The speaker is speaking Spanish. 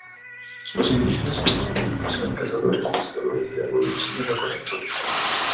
Los indígenas prehispánicos eran cazadores, pescadores de agua dulce y recolectores.